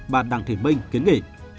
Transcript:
bạn đặng thị minh kiến nghỉ